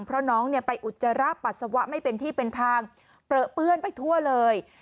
เพราะน้องเนี่ยไปอุจจาระปัสสาวะไม่เป็นที่เป็นทางเปลือเปื้อนไปทั่วเลย